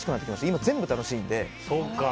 今、全部楽しいので。